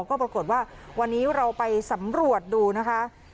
ก็ปรากฏว่าวันนี้เราไปสำรวจดูนะคะ